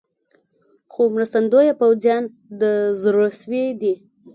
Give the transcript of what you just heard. خو مرستندویه پوځیان د زړه سوي دي.